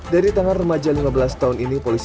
dari tangan remaja lima belas tahun ini polisi